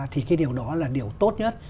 thì cái điều đó là điều tốt nhất